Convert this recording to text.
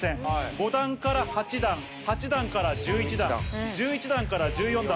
５段から８段、８段から１１段、１１段から１４段。